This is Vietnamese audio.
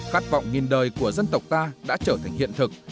khát vọng nghìn đời của dân tộc ta đã trở thành hiện thực